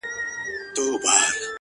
زما د لاس شينكى خال يې له وخته وو ساتلى”